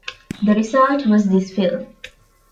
The result was this film.